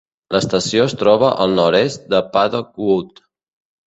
L'estació es troba al nord-est de Paddock Wood.